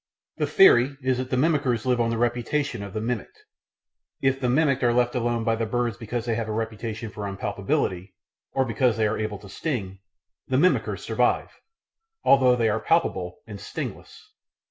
The theory is that the mimickers live on the reputation of the mimicked. If the mimicked are left alone by birds because they have a reputation for unpalatability, or because they are able to sting, the mimickers survive although they are palatable and stingless.